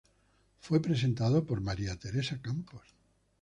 Fue presentado por María Teresa Campos.